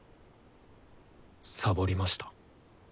サボりました。